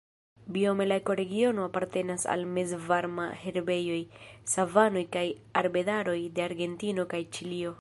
Biome la ekoregiono apartenas al mezvarmaj herbejoj, savanoj kaj arbedaroj de Argentino kaj Ĉilio.